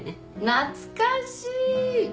懐かしい！